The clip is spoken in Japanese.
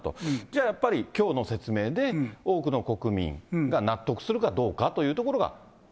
じゃあやっぱり、きょうの説明で多くの国民が納得するかどうかというところが。